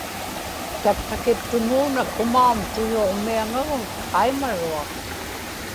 tatqakiptumuuna Kumaum tuyuġmiaŋagun qaimaruaq